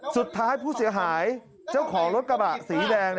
สุดท้ายผู้เสียหายเจ้าของรถกระบะสีแดง